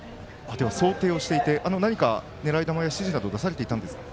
想定をしていて狙い球や指示は出されていたんですか？